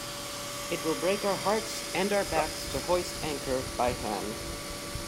It will break our hearts and our backs to hoist anchor by hand.